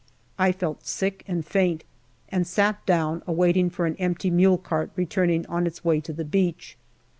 I felt sick and faint, and sat down waiting for an empty mule cart returning on its way to the beach.